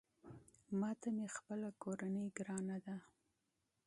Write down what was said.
ماته مې خپله کورنۍ ګرانه ده